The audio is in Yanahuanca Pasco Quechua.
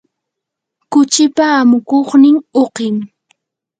kuchipa amukuqnin uqim.